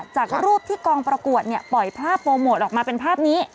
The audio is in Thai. จากรูปที่กองประกวดปล่อยภาพโปรโมทออกมาเป็นภาพนี้